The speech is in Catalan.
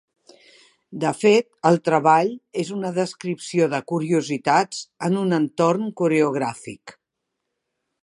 De fet, el treball és una descripció de curiositats en un entorn coreogràfic.